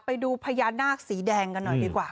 ไปดูพญานาคสีแดงกันหน่อยดีกว่า